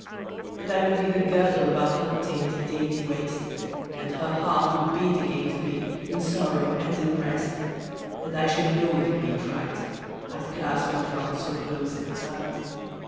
And I would be the girdle About her dainty dainty waist, And her heart would beat against me, In sorrow and in rest: 10 And I should know if it beat right, I'd clasp it round so close and tight.